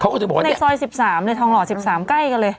เขาก็จะบอกว่าในซอย๑๓เลยทองหล่อ๑๓ใกล้กันเลย